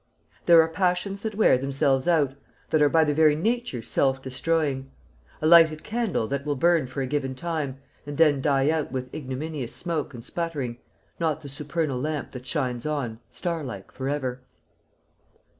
There are passions that wear themselves out, that are by their very nature self destroying a lighted candle that will burn for a given time, and then die out with ignominious smoke and sputtering, not the supernal lamp that shines on, star like, for ever.